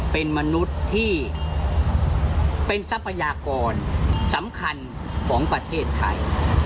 เป็นมนุษย์ที่เป็นทรัพยากรสำคัญของประเทศไทย